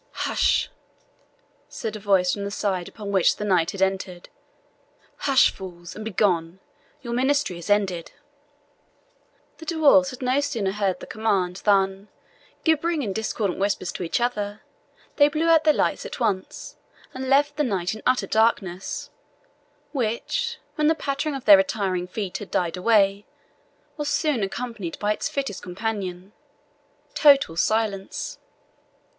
"Hush," said a voice from the side upon which the knight had entered "hush, fools, and begone; your ministry is ended." The dwarfs had no sooner heard the command than, gibbering in discordant whispers to each other, they blew out their lights at once, and left the knight in utter darkness, which, when the pattering of their retiring feet had died away, was soon accompanied by its fittest companion, total silence.